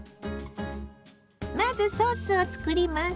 まずソースを作ります。